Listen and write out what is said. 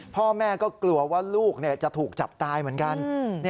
พ่อแม่ก็กลัวว่าลูกจะถูกจับตายเหมือนกัน